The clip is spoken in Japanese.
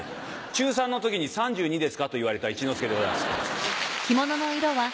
中３の時に「３２ですか？」と言われた一之輔でございます。